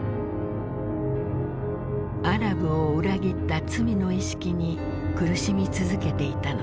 アラブを裏切った罪の意識に苦しみ続けていたのだ。